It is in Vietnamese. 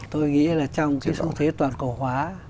tôi nghĩ là trong cái xu thế toàn cầu hóa